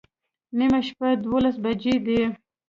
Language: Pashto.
نیمه شپه دوولس بجې دي